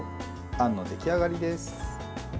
あんの出来上がりです。